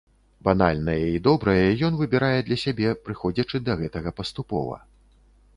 Банальнае і добрае ён выбірае для сябе, прыходзячы да гэтага паступова.